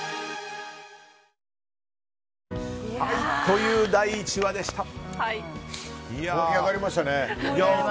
という第１話でした。